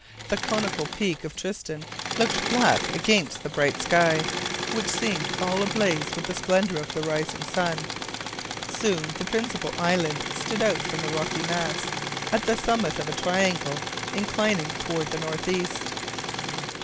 The conical peak of Tristan looked black against the bright sky, which seemed all ablaze with the splendor of the rising sun. Soon the principal island stood out from the rocky mass, at the summit of a triangle inclining toward the northeast.